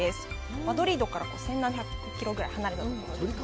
マドリードから１７００キロぐらい離れたところです。